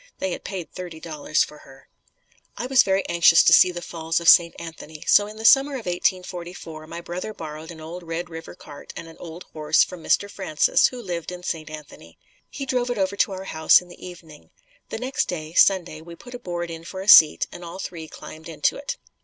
They had paid thirty dollars for her. I was very anxious to see the Falls of St. Anthony so in the summer of 1844, my brother borrowed an old Red River cart and an old horse from Mr. Francis who lived in St. Anthony. He drove it over to our house in the evening. The next day, Sunday, we put a board in for a seat and all three climbed onto it.